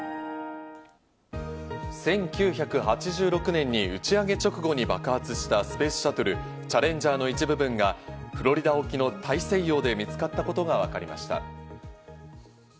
１９８６年に打ち上げ直後に爆発したスペースシャトル・チャレンジャーの一部分が、フロリダ沖の大西洋で見つかったことがわかりました。